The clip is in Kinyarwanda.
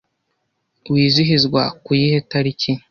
wizihizwa ku yihe tariki